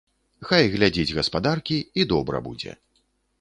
Хай глядзіць гаспадаркі, і добра будзе.